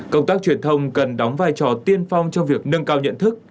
công tác truyền thông cần đóng vai trò tiên phong trong việc nâng cao nhận thức